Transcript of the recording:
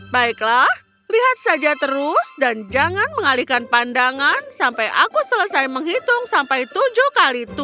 baiklah lihat saja terus dan jangan mengalihkan pandangan sampai aku selesai menghitung sampai tujuh kali